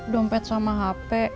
dompet sama hp